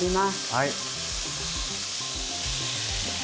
はい。